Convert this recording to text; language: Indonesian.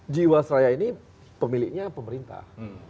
jiwa seraya ini pemiliknya pemerintah